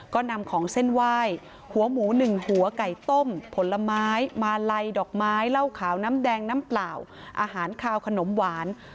ก็นำของเส้นไหว้หัวหมู๑หัวไก่ต้มผลไม้มาลัยดอกไม้เหล้าขาวน้ำแดงน้ำเปล่าอาหารคาวขนมหวาน